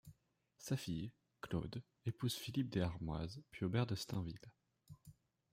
Sa fille Claude épouse Philippe Des Armoises puis Aubert de Stainville.